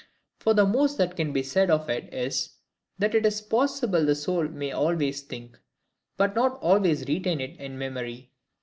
For the most that can be said of it is, that it is possible the soul may always think, but not always retain it in memory.